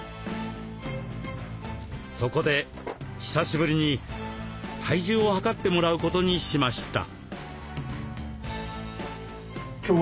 そこで久しぶりに体重を量ってもらうことにしました。